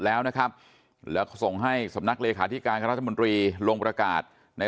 แล้วนะครับแล้วก็ส่งให้สำนักเลขาธิการคณะรัฐมนตรีลงประกาศใน